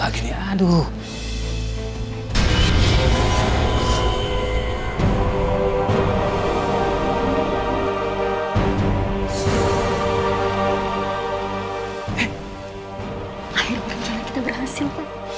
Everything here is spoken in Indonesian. akhirnya kita berhasil